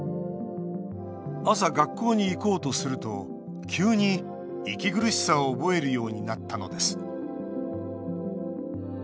朝、学校に行こうとすると急に息苦しさを覚えるようになったのです。